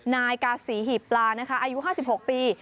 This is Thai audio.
นายกาศีหิบปลาอายุ๕๖ปี